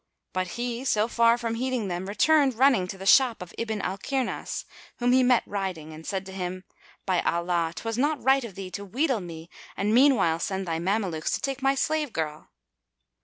But he, so far from heeding them, returned running to the shop of Ibn al Kirnas, whom he met riding, and said to him, "By Allah, 'twas not right of thee to wheedle me and meanwhile send thy Mamelukes to take my slave girl!"